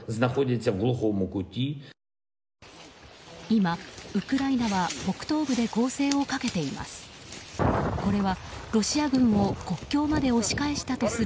今、ウクライナは北東部で攻勢をかけています。